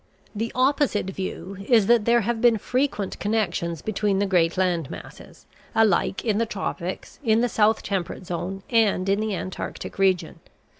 The opposite view is that there have been frequent connections between the great land masses, alike in the tropics, in the south temperate zone, and in the Antarctic region.